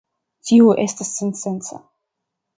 Tio estas sensenca.